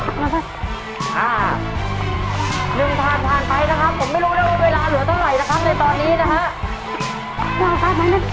เริ่มทางทางไปนะครับผมไม่รู้น่ะว่าเวลาเหลือเท่าไหร่นะคะในตอนนี้นะค่ะ